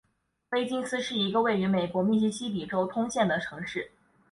威金斯是一个位于美国密西西比州斯通县的城市。